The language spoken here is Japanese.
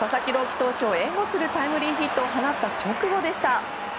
希投手を援護するタイムリーヒットを放った直後でした。